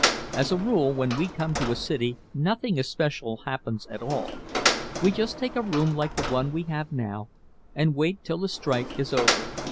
As a rule when we come to a city nothing especial happens at all. We just take a room like the one we have now and wait till the strike is over.